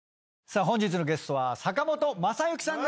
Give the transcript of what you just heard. さあ本日のゲストは坂本昌行さん